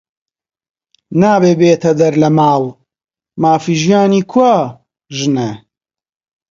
نابێ بێتە دەر لە ماڵ، مافی ژیانی کوا؟ ژنە